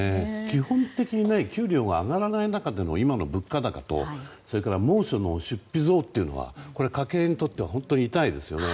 基本的に給料が上がらない中での今の物価高と猛暑の出費増は家計に対しては本当に痛いですよね。